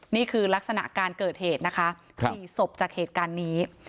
นี่คือลักษณะการเกิดเหตุนะคะ๔ศพจากเหตุการณ์นี้